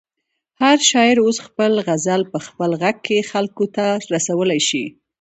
هر شاعر اوس خپل غزل په خپل غږ کې خلکو ته رسولی شي.